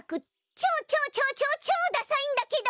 ちょうちょうちょうちょうちょうダサイんだけど！